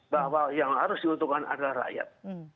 bahwa yang harus diuntungkan adalah rakyat